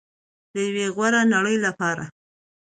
د یوې غوره نړۍ لپاره.